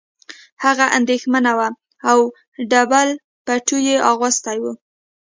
هغه اندېښمنه وه او ډبل پټو یې اغوستی و